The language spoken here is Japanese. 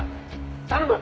頼む！」